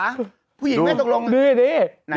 ดูซิดูซิ